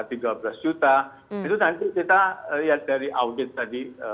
itu nanti kita lihat dari audit tadi